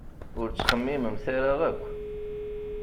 Ur ttxemmiment ara akk!